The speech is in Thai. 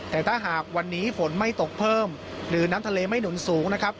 แต่ถ้าหากวันนี้ฝนไม่ตกเพิ่มหรือน้ำทะเลไม่หนุนสูงนะครับ